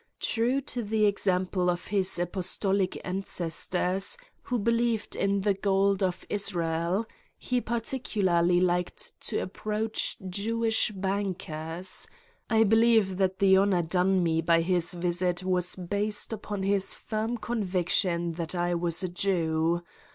True to the example of his apostolic ancestors, who believed in the gold of Israel, he particularly liked to approach Jewish bankers ; I believe that the honor done me by his visit was based upon his firm conviction that I was a Jew.